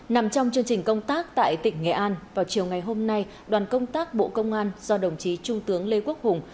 nằm trong chương trình công tác tại tỉnh nghệ an vào chiều ngày hôm nay đoàn công tác bộ công an do đồng chí trung tướng lê quốc hùng